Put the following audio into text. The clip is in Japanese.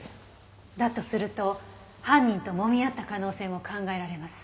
だとすると犯人ともみ合った可能性も考えられます。